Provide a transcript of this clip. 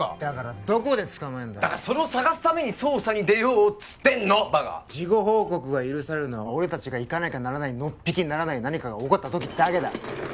だからどこで捕まえんだよだからそれを探すために捜査に出ようっつってんのバカ事後報告が許されるのは俺達が行かなきゃならないのっぴきならない何かが起こった時だけだ！